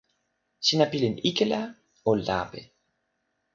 sina pilin ike la, o lape!